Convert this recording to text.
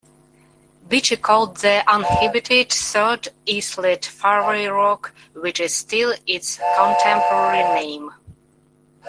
Beechey called the uninhabited third islet "Fairway Rock", which is still its contemporary name.